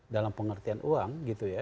dalam pengertian uang